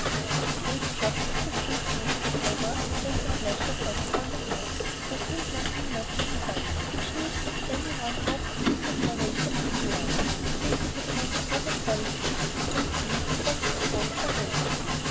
The great job of the cake making over, a sense of leisure settled on the house. There seemed nothing left to be done which need put any one out of his or her way particularly. Katy had among her other qualities a great deal of what is called "forehandedness."